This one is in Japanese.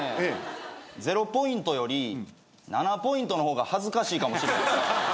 ０ポイントより７ポイントの方が恥ずかしいかもしれないですね。